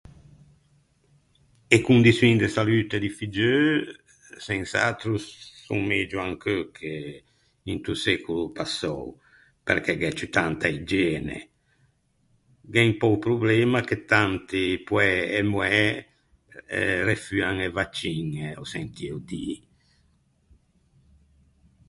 E condiçioin de salute di figgeu sens’atro son megio ancheu che into secolo passou, perché gh’é ciù tanta igiene. Gh’é un pö o problema che tanti poæ e moæ eh refuan e vacciñe, ò sentio dî.